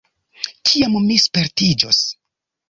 Kiam mi spertiĝos?